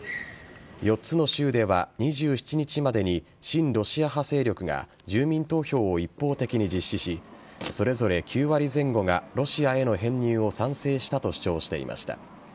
４つの州では２７日までに親ロシア派勢力が住民投票を一方的に実施しそれぞれ９割前後がロシアへの編入を賛成したと主張していました。